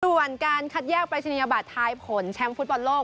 ส่วนการคัดแยกปรายศนียบัตรทายผลแชมป์ฟุตบอลโลก